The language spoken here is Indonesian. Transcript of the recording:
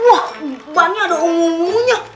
wah bahannya ada umum umumnya